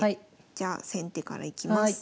じゃあ先手からいきます。